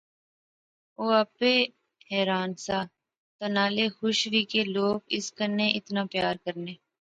او آپے حیران سا تہ نالے خوش وی کہ لوک اس کنے اتنا پیار کرنے